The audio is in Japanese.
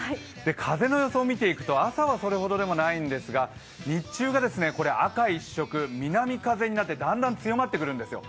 風の予想を見ていくと、朝はそれほどでもないんですが日中が赤一色、南風になってだんだん強まってくるんですよ。